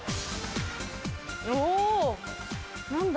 お何だ？